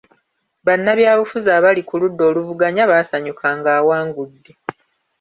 Bannabyabufuzi abali ku ludda oluvuganya baasanyuka ng'awangudde.